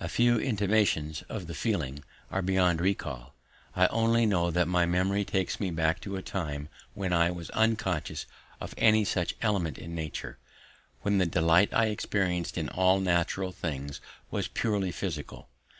The first intimations of the feeling are beyond recall; I only know that my memory takes me back to a time when I was unconscious of any such element in nature, when the delight I experienced in all natural things was purely physical.